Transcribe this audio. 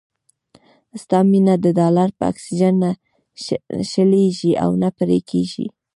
ستا مينه د ډالرو په اکسيجن نه شلېږي او نه پرې کېږي.